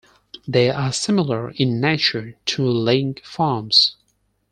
They are similar in nature to link farms.